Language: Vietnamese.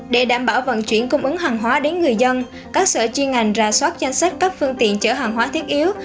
để đảm bảo vận chuyển cung ứng hàng hóa đến người dân các sở chiên ngành ra soát danh sách các phương tiện chở hàng hóa thiết yếu